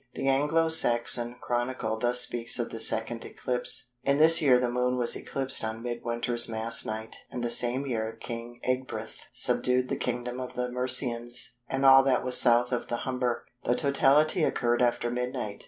The Anglo Saxon Chronicle thus speaks of the second eclipse:—"In this year the Moon was eclipsed on Mid winter's Mass night, and the same year King Ecgbryht subdued the kingdom of the Mercians and all that was South of the Humber." The totality occurred after midnight.